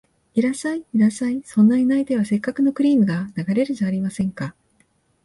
いらっしゃい、いらっしゃい、そんなに泣いては折角のクリームが流れるじゃありませんか